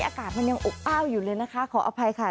อากาศมันยังอบอ้าวอยู่เลยนะคะขออภัยค่ะ